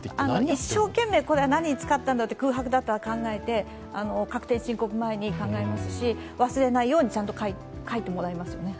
一生懸命、何に使ったんだと空白だったら考えて、確定申告前に考え直すし、忘れないように書いてもらいますよね。